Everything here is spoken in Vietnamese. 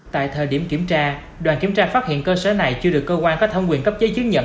tại thời điểm kiểm tra đoàn kiểm tra phát hiện cơ sở này chưa được cơ quan có thẩm quyền cấp giấy chứng nhận